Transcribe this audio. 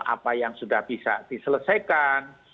apa yang sudah bisa diselesaikan